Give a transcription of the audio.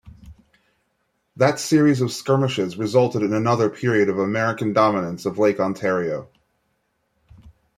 That series of skirmishes resulted in another period of American dominance of Lake Ontario.